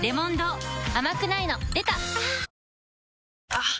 あっ！